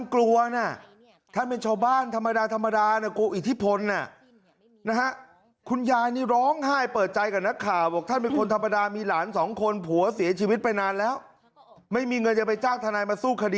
กลัวจะเอาไปฆ่าเอาไปแกล้งครับ